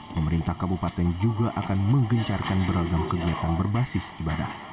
pemerintah kabupaten juga akan menggencarkan beragam kegiatan berbasis ibadah